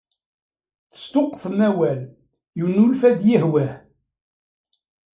Tesṭuqtem awal, yennulfa-d yihwah.